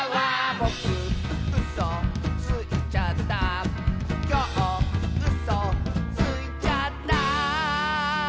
「ぼくうそついちゃった」「きょううそついちゃった」